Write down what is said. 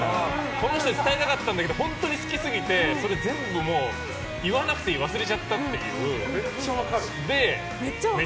この人に伝えたかったんだけど本当に好きすぎてそれ全部、言わなくていい忘れちゃったっていう。